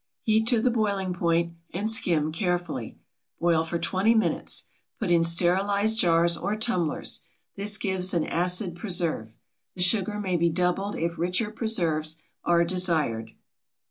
Heat to the boiling point and skim carefully. Boil for twenty minutes. Put in sterilized jars or tumblers. This gives an acid preserve. The sugar may be doubled if richer preserves are desired.